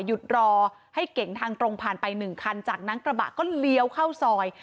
หยุดรอให้เก่งทางตรงผ่านไป๑คันจากนั้นกระบะก็เลี้ยวเข้าซอย